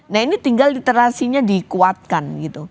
nah ini tinggal literasinya di kuatkan